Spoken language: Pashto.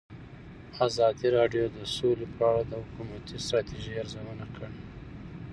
ازادي راډیو د سوله په اړه د حکومتي ستراتیژۍ ارزونه کړې.